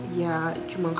ya cuma kangen